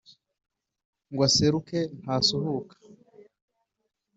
ngo aseruke ntasuhuka.